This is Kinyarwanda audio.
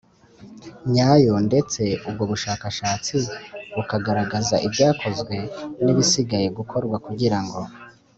nyayo ndetse ubwo bushakashatsi bukagaragaza ibyakozwe n ibisigaye gukorwa kugira ngo